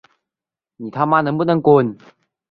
但是在有些情况上并不能总是达到这种理想的效果。